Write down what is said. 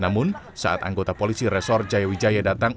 namun saat anggota polisi resor jayawijaya datang